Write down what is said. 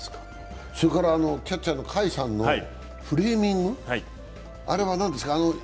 キャッチャー・甲斐さんのフレーミング、あれは何ですか？